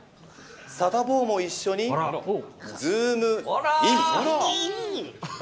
サタボーも一緒に、ズームイン！！